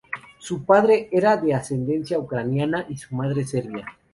Su padre era de ascendencia ucraniana y su madre serbia.